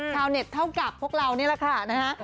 ชาวเน็ตเท่ากับพวกเรานี่แหละค่ะนะฮะ